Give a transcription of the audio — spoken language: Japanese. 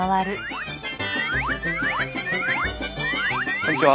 こんにちは。